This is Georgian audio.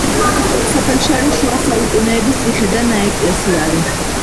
სოფელში არის შუა საუკუნეების ციხე და ნაეკლესიარი.